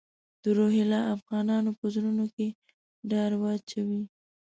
د روهیله افغانانو په زړونو کې ډار واچوي.